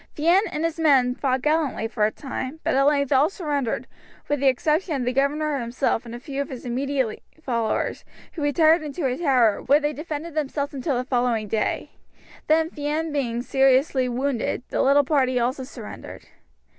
Fienne and his men fought gallantly for a time, but at length all surrendered, with the exception of the governor himself and a few of his immediate followers, who retired into a tower, where they defended themselves until the following day; then Fienne being seriously wounded, the little party also surrendered.